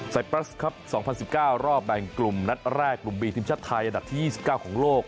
ปรัสครับ๒๐๑๙รอบแบ่งกลุ่มนัดแรกกลุ่มบีทีมชาติไทยอันดับที่๒๙ของโลก